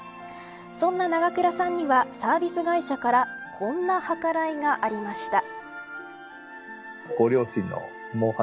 そんな長倉さんにはサービス会社からこんな計らいがありました。